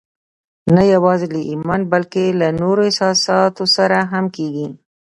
نه يوازې له ايمان بلکې له نورو احساساتو سره هم کېږي.